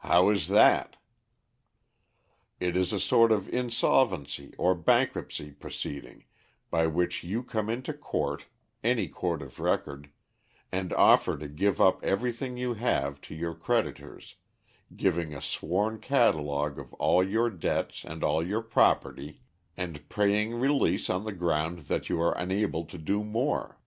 "How is that?" "It is a sort of insolvency or bankruptcy proceeding, by which you come into court any court of record and offer to give up everything you have to your creditors, giving a sworn catalogue of all your debts and all your property, and praying release on the ground that you are unable to do more."